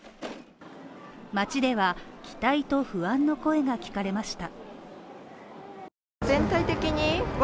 街では、期待と不安の声が聞かれました。